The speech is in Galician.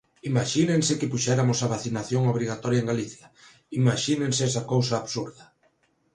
Imaxínense que puxeramos a vacinación obrigatoria en Galicia, imaxínense esa cousa absurda.